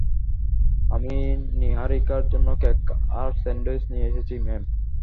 আমি নীহারিকার জন্য কেক আর স্যান্ডউইচ নিয়ে এসেছি, ম্যাম।